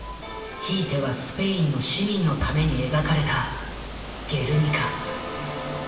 ひいてはスペインの市民のために描かれた「ゲルニカ」。